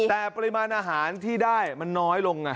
แต่ปริมาณอาหารที่ได้มันน้อยลงไง